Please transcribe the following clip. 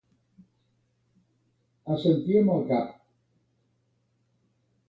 Assentir amb el cap.